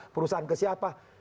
perusahaan ke siapa